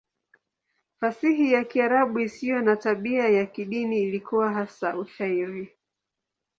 Fasihi ya Kiarabu isiyo na tabia ya kidini ilikuwa hasa Ushairi.